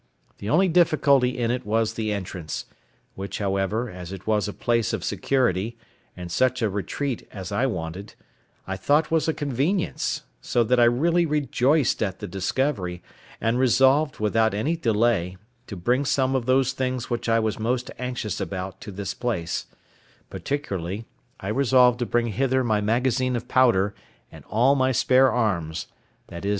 The only difficulty in it was the entrance—which, however, as it was a place of security, and such a retreat as I wanted; I thought was a convenience; so that I was really rejoiced at the discovery, and resolved, without any delay, to bring some of those things which I was most anxious about to this place: particularly, I resolved to bring hither my magazine of powder, and all my spare arms—viz.